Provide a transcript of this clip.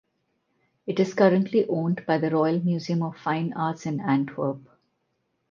It is currently owned by the Royal Museum of Fine Arts in Antwerp.